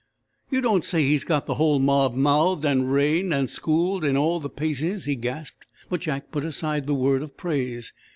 "You don't say he's got the whole mob mouthed and reined and schooled in all the paces?" he gasped; but Jack put aside the word of praise.